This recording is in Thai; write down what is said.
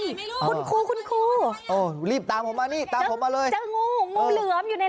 ไหนลูกแานาญังก๊อสรึไหม